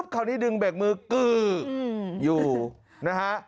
คราวนี้ดึงเบรกมือกื้ออยู่นะฮะ